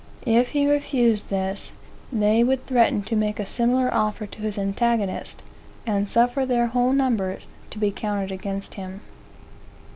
If he refused this, they would threaten to make a similar offer to his antagonist, and suffer their whole numbers to be counted against him.